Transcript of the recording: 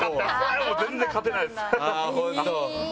全然勝てないです。